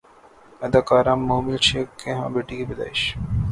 اداکارہ مومل شیخ کے ہاں بیٹی کی پیدائش